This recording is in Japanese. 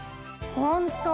ホント！